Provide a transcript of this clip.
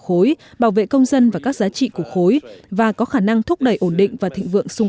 khối bảo vệ công dân và các giá trị của khối và có khả năng thúc đẩy ổn định và thịnh vượng xung